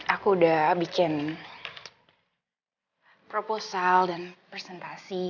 aku udah bikin proposal dan presentasi